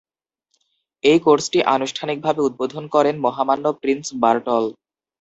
এই কোর্সটি আনুষ্ঠানিকভাবে উদ্বোধন করেন মহামান্য প্রিন্স বার্টল।